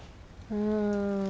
うん。